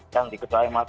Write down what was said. yang diketuai mafud mg